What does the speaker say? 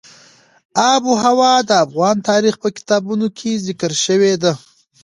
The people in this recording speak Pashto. آب وهوا د افغان تاریخ په کتابونو کې ذکر شوی دي.